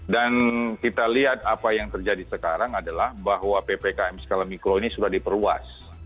dan kita lihat apa yang terjadi sekarang adalah bahwa ppkm skala mikro ini sudah diperluas